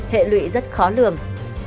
hệ lụy rất khó lường